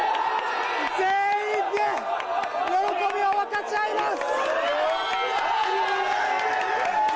全員で喜びを分かち合います！